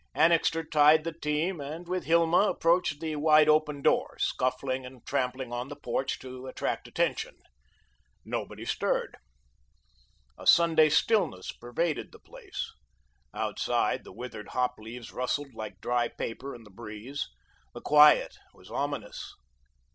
Annixter tied the team, and with Hilma approached the wide open door, scuffling and tramping on the porch to attract attention. Nobody stirred. A Sunday stillness pervaded the place. Outside, the withered hop leaves rustled like dry paper in the breeze. The quiet was ominous.